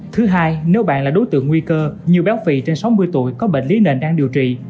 thứ hai nếu bạn là đối tượng nguy cơ như béo phì trên sáu mươi tuổi có bệnh lý nền đang điều trị